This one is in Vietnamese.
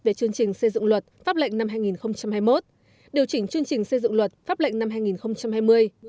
về chương trình xây dựng luật pháp lệnh năm hai nghìn hai mươi một điều chỉnh chương trình xây dựng luật pháp lệnh năm hai nghìn hai mươi